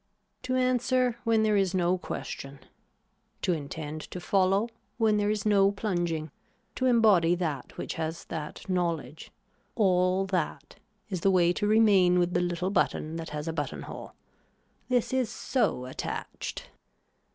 To answer when there is no question, to intend to follow when there is no plunging, to embody that which has that knowledge, all that is the way to remain with the little button that has a button hole. This is so attached.